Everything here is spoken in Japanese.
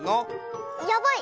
「やばい！